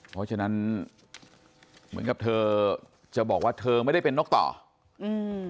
เพราะฉะนั้นเหมือนกับเธอจะบอกว่าเธอไม่ได้เป็นนกต่ออืม